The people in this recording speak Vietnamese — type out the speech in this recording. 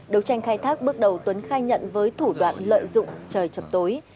đấu tranh khai thác bước đầu tuấn khai nhận với thủ đoạn lợi dụng trời chập tối